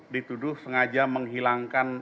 dituduh sengaja menghilangkan